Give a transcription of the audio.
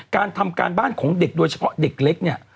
การทำการบ้านของเด็กโดยเฉพาะเด็กเล็กเนี่ย